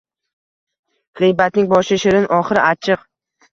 G‘iybatning boshi “shirin”, oxiri achchiq.